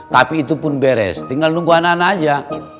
tapi itu pun beres tinggal nunggu anak anak aja